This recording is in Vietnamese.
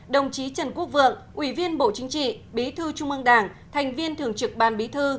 đồng chí trần quốc vượng ủy viên bộ chính trị bí thư trung ương đảng thành viên thường trực ban bí thư